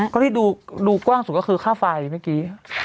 ก็ที่ดูกว้างสุดก็คือค่าไฟเมื่อกี้